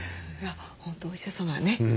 本当お医者様ね。